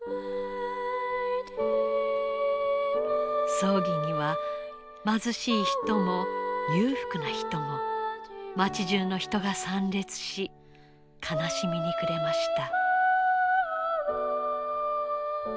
葬儀には貧しい人も裕福な人も町じゅうの人が参列し悲しみに暮れました。